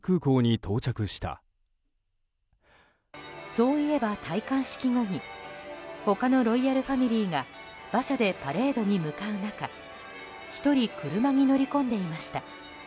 そういえば、戴冠式後に他のロイヤルファミリーが馬車でパレードに向かう中１人、車に乗り込んでいました。